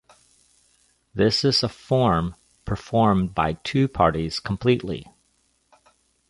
This is a form performed by two parties competently.